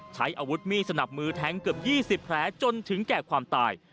ใช้อาวุธมีดสนับมือแทงเกือบ๒๐แผลจนถึงแก่ความตาย